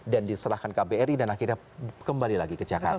dan diserahkan ke kbri dan akhirnya kembali lagi ke jakarta